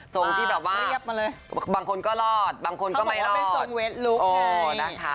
ทรงที่แบบว่าบางคนก็รอดบางคนก็ไม่รอดนะคะเขาบอกว่าเป็นทรงเวสลุค